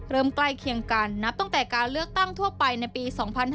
ใกล้เคียงกันนับตั้งแต่การเลือกตั้งทั่วไปในปี๒๕๕๙